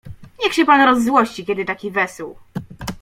Niech się pan rozzłości, kiedy taki wesół.